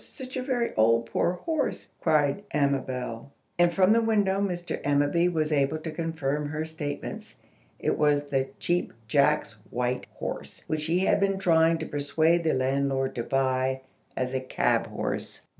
Such a very old, poor horse!" cried Amabel. And from the window Mr. Ammaby was able to confirm her statements. It was the Cheap Jack's white horse, which he had been trying to persuade the landlord to buy as a cab horse.